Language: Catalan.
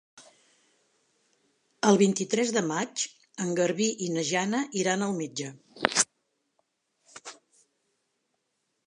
El vint-i-tres de maig en Garbí i na Jana iran al metge.